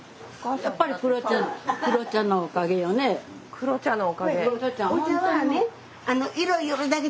黒茶のおかげ。